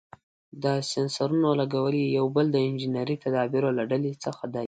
د سېنسرونو لګول یې یو بل د انجنیري تدابیرو له ډلې څخه دی.